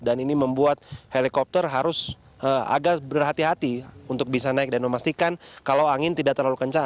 dan ini membuat helikopter harus agak berhati hati untuk bisa naik dan memastikan kalau angin tidak terlalu kencang